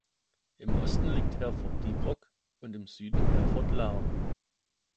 Im Osten liegt Herford-Diebrock und im Süden Herford-Laar.